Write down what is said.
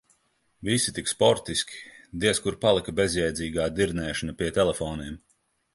Visi tik sportiski, diez kur palika bezjēdzīgā dirnēšana pie telefoniem.